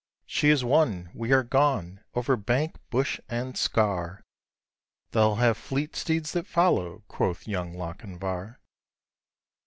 'She is won! we are gone, over bank, bush, and scaur; They'll have fleet steeds that follow,' quoth young Lochinvar.